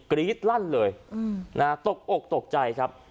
รี๊ดลั่นเลยตกอกตกใจครับ